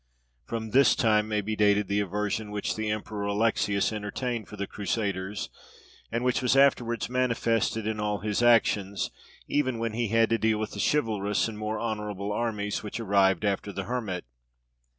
From this time may be dated the aversion which the Emperor Alexius entertained for the Crusaders, and which was afterwards manifested in all his actions, even when he had to deal with the chivalrous and more honourable armies which arrived after the Hermit.